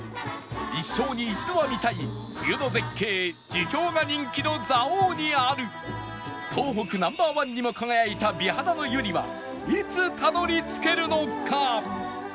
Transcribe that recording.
一生に一度は見たい冬の絶景樹氷が人気の蔵王にある東北 Ｎｏ．１ にも輝いた美肌の湯にはいつたどり着けるのか？